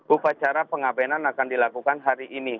upacara pengabenan akan dilakukan hari ini